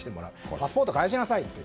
パスポートを返しなさいと。